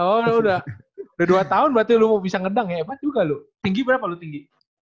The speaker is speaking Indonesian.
oh udah udah dua tahun berarti lu mau bisa ngedang ya hebat juga lu tinggi berapa lu tinggi